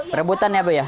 berebutan ya iya